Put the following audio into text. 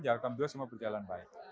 ya alhamdulillah semua berjalan baik